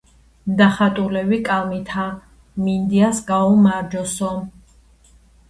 დახატულები კალმითა,"მინდიას გაუმარჯოსო"